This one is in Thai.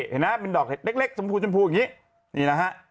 เห็นนะเป็นดอกเห็ดเล็กสมพูอย่างนี้